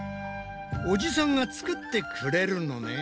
おじさんが作ってくれるのね。